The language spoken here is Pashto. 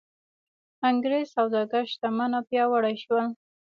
انګرېز سوداګر شتمن او پیاوړي شول.